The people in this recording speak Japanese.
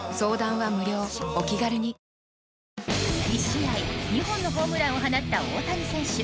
１試合２本のホームランを放った大谷選手。